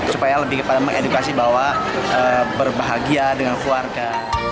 supaya lebih kepada mengedukasi bahwa berbahagia dengan keluarga